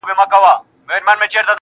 ته مي يو ځلي گلي ياد ته راوړه,